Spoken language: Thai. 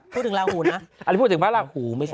พูดถึงลาหูนะอันนี้พูดถึงหมาลัก